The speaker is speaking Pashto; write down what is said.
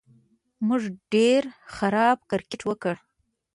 موږ ډېر خراب کرېکټ وکړ